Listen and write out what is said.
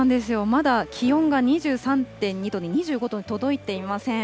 まだ気温が２３．２度で、２５度に届いていません。